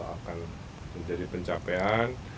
akan menjadi pencapaian